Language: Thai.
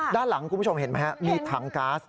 ด้านหลังคุณผู้ชมเห็นไหมฮะมีถังก๊าซ